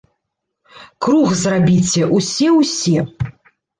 Круг зрабіце, усе ўсе!